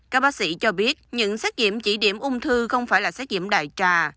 các bác sĩ cho biết những xét nghiệm chỉ điểm ung thư không phải là xét nghiệm đại trà